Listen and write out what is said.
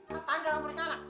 kenapa nggak mau urus anak